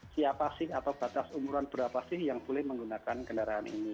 siapa sih atau batas umuran berapa sih yang boleh menggunakan kendaraan ini